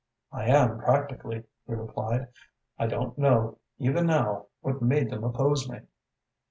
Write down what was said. "I am practically," he replied. "I don't know, even now, what made them oppose me."